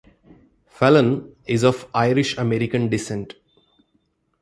Fallon is of Irish-American descent.